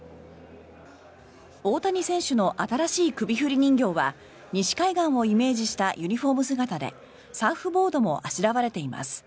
大谷選手の新しい首振り人形は西海岸をイメージしたユニホーム姿でサーフボードもあしらわれています。